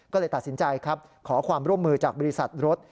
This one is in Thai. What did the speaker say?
ก็เลยตัดสินใจครับขอความร่วมมือจากบริษัทรถ